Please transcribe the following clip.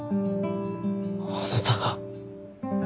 あなたが。